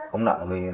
rồi mới hết